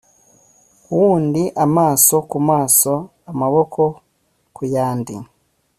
wundi amaso ku maso amaboko ku yandi